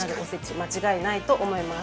間違いないと思います。